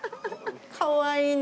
かわいいね。